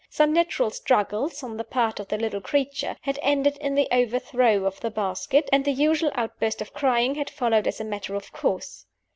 Some natural struggles, on the part of the little creature, had ended in the overthrow of the basket, and the usual outburst of crying had followed as a matter of course.